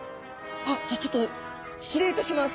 あっじゃあちょっと失礼いたします。